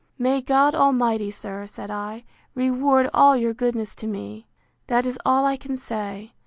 May God Almighty, sir, said I, reward all your goodness to me!—That is all I can say.